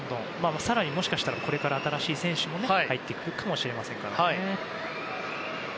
更にもしかしたらこれから新しい選手も入ってくるかもしれませんからね。